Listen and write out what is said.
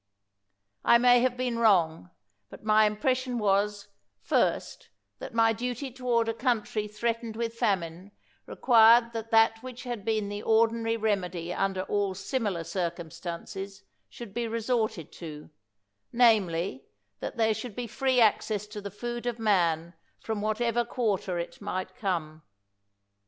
I may have been wrong, but my impression was, first, that my dutj^ toward a country threat ened with famine required that that which had been the ordinary remedy under all similar cir cumstances should be resorted to — namely, that there should be free access to the food of man from whatever quarter it might come.